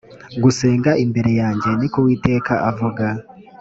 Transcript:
gusenga imbere yanjye ni ko uwiteka avuga